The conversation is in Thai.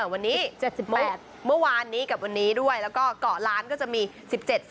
วันนี้๗๘เมื่อวานนี้กับวันนี้ด้วยแล้วก็เกาะล้านก็จะมี๑๗๔